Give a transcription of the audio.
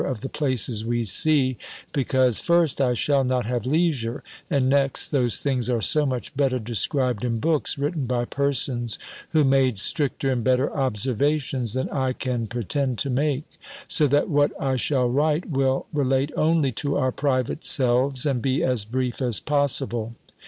of the places we see; because, first, I shall not have leisure; and, next, those things are so much better described in books written by persons who made stricter and better observations that I can pretend to make: so that what I shall write will relate only to our private selves, and be as brief as possible.